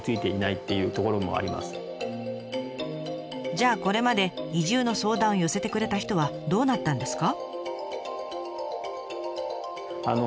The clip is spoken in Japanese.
じゃあこれまで移住の相談を寄せてくれた人はどうなったんですか？